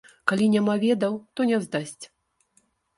Калі няма ведаў, то не здасць.